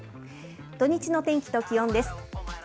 土日の天気と気温です。